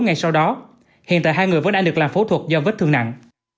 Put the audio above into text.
ngay sau đó hiện tại hai người vẫn đang được làm phẫu thuật do vết thương nặng